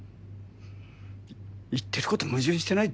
言ってること矛盾してない？